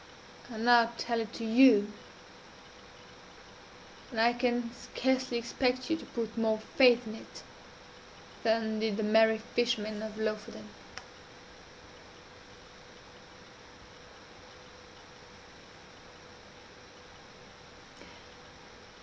I now tell it to you and I can scarcely expect you to put more faith in it than did the merry fishermen of Lofoden."